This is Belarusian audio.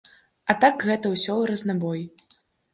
А так гэта ўсё ў разнабой.